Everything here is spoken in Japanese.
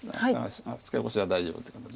ツケコシは大丈夫ってことで。